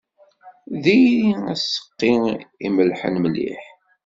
Diri aseqqi imellḥen mliḥ.